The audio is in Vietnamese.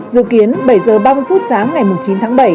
dự kiến bảy h ba mươi phút sáng ngày chín tháng bảy